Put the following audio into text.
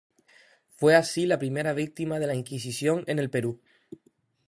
Fue así la primera víctima de la Inquisición en el Perú.